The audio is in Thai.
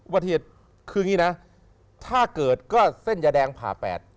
เวิดถิดคืองี้นะถ้าเกิดก็เส้นแยร้างผ่าแปด